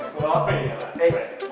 gue mau abe ya